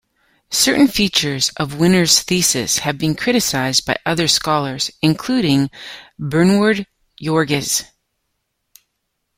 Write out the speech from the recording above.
Certain features of Winner's thesis have been criticized by other scholars, including Bernward Joerges.